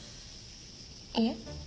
いえ。